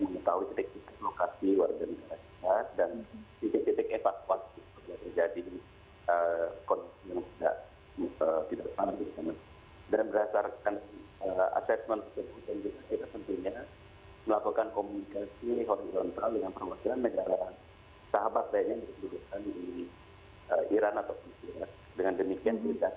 menempaikan keperhatian indonesia dan semuanya harapan